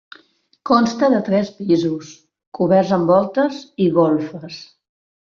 Consta de tres pisos, coberts amb voltes, i golfes.